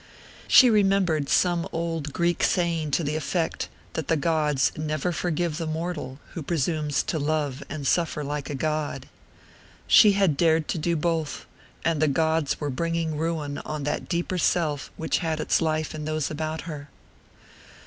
She remembered some old Greek saying to the effect that the gods never forgive the mortal who presumes to love and suffer like a god. She had dared to do both, and the gods were bringing ruin on that deeper self which had its life in those about her.